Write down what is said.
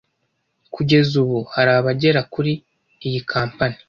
Kugeza ubu hari abagera kuri iyi kampani